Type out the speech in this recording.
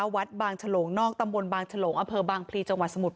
วัดบางฉลงนอกตำบลบางฉลงอำเภอบางพลีจังหวัดสมุทร